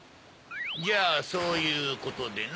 じゃそういうことでな。